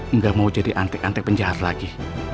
enggak mau jadi antik antik penjahat lagi